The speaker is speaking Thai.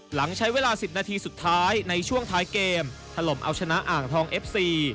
หลังใช้เวลา๑๐นาทีสุดท้ายในช่วงท้ายเกมถล่มเอาชนะอ่างทองเอฟซี